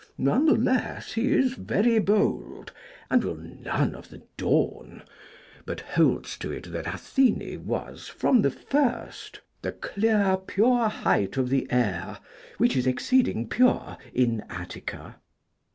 None the less he is very bold, and will none of the Dawn; but holds to it that Athene was, from the first, 'the clear pure height of the Air, which is exceeding pure in Attica.'